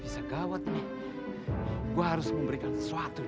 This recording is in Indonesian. bisa gawat nih gua harus memberikan sesuatu nih